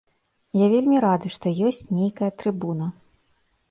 Я вельмі рады, што ёсць нейкая трыбуна.